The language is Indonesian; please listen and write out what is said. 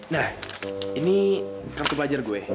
nah ini kartu pelajar gue